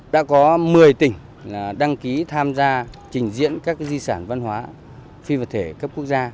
đã có một mươi tỉnh đăng ký tham gia trình diễn các di sản văn hóa phi vật thể cấp quốc gia